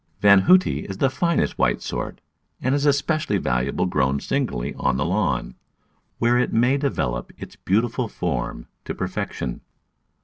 Van Houttei is the finest white sort, and is especially valuable grown singly on the lawn, where it may develop its beautiful form to perfection.